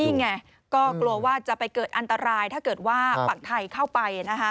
นี่ไงก็กลัวว่าจะไปเกิดอันตรายถ้าเกิดว่าฝั่งไทยเข้าไป